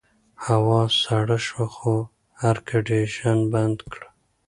هوا سړه شوه نو اېرکنډیشن بند کړه.